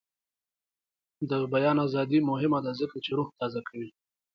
د بیان ازادي مهمه ده ځکه چې روح تازه کوي.